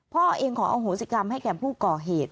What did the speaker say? พ่อเองขออโหสิกรรมให้แก่ผู้ก่อเหตุ